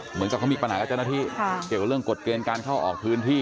เหมือนกับเขามีปัญหากับเจ้าหน้าที่เกี่ยวกับเรื่องกฎเกณฑ์การเข้าออกพื้นที่